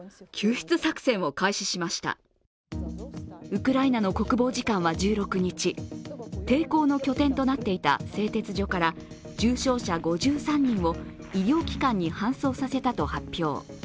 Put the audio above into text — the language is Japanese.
ウクライナの国防次官は１６日、抵抗の拠点となっていた製鉄所から重傷者５３人を医療機関に搬送させたと発表。